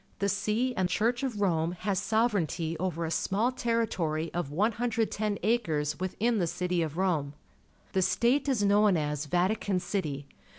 The See and Church of Rome has sovereignty over a small territory of 110 acres within the city of Rome. The state is known as Vatican City.